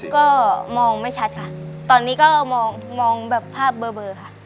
ก็มองไม่ชัดค่ะตอนนี้ก็มองแบบภาพเบอร์ค่ะ